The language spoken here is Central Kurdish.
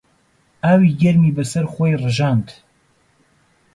ئاوی گەرمی بەسەر خۆی ڕژاند.